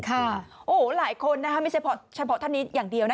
โอ้โหหลายคนนะคะไม่ใช่เฉพาะท่านนี้อย่างเดียวนะ